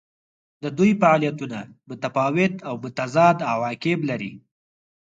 د دوی فعالیتونه متفاوت او متضاد عواقب لري.